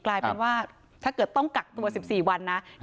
กลายเป็นว่าถ้าเกิดต้องกักตัว๑๔วันนะ